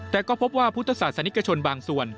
แต่ก็พบว่าพุทธศาสนิกชนบางส่วน